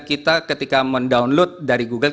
kita ketika mendownload dari google